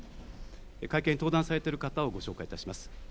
会見に登壇されている方をご紹介します。